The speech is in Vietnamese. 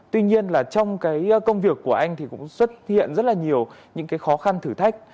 tuy nhiên là trong cái công việc của anh thì cũng xuất hiện rất là nhiều những cái khó khăn thử thách